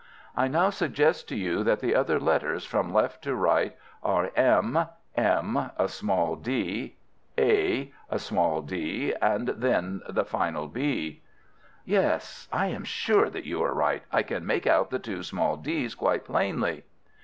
"I now suggest to you that the other letters from left to right are, M, M, a small d, A, a small d, and then the final B." "Yes, I am sure that you are right. I can make out the two small d's quite plainly."